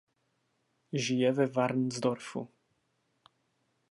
Žije ve Varnsdorfu.